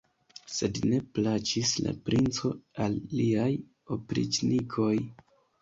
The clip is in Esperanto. Sed ne plaĉis la princo al liaj opriĉnikoj.